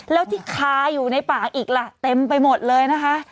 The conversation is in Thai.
แล้วที่คาอยู่ในป่าอีกล่ะเต็มไปหมดเลยนะคะ